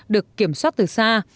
được kiểm soát từ xa